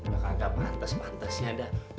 udah kagak pantas pantasnya dah